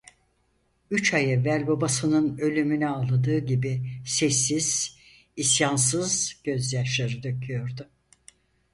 Üç ay evvel babasının ölümüne ağladığı gibi sessiz, isyansız gözyaşları döküyordu.